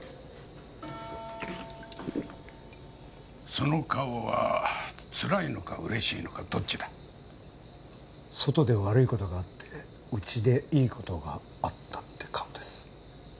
その顔はつらいのか嬉しいのかどっちだ外で悪いことがあってうちでいいことがあったって顔です